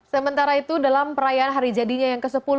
sementara itu dalam perayaan hari jadinya yang ke sepuluh